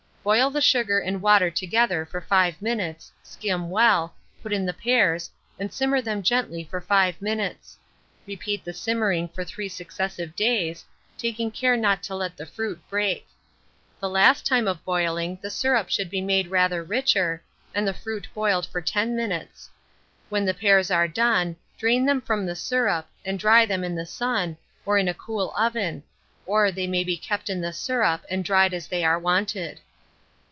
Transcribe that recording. Boil the sugar and water together for 5 minutes, skim well, put in the pears, and simmer them gently for 5 minutes. Repeat the simmering for 3 successive days, taking care not to let the fruit break. The last time of boiling, the syrup should be made rather richer, and the fruit boiled for 10 minutes. When the pears are done, drain them from the syrup, and dry them in the sun, or in a cool oven; or they may be kept in the syrup, and dried as they are wanted.